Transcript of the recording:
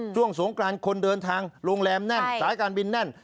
ช่วงสงกรานคนเดินทางโรงแรมแน่นสายการบินแน่น